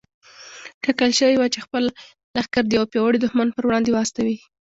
ټاکل شوې وه چې خپل لښکر د يوه پياوړي دښمن پر وړاندې واستوي.